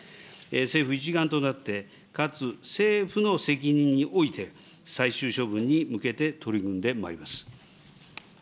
政府一丸となって、かつ政府の責任において、最終処分に向けて取り組んでまいります。